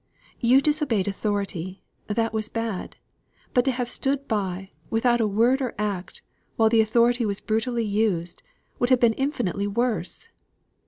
You disobeyed authority that was bad; but to have stood by, without word or act, while the authority was brutally used, would have been infinitely worse.